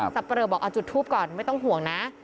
ับเปรอบอกเอาจุดทูปก่อนไม่ต้องห่วงนะ